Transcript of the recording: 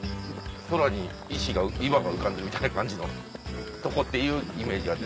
空に岩が浮かんでるみたいな感じのとこっていうイメージ。